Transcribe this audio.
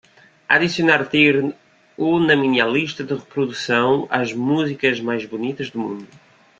adicionar tigre hu na minha lista de reprodução As músicas mais bonitas do mundo